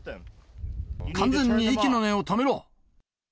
完全に息の根を止めろ。